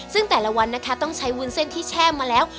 ซึ่งแต่ละวันนะคะต้องใช้วุ้นเส้นที่แช่มาแล้ว